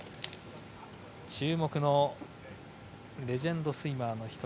注目のレジェンドスイマーの１人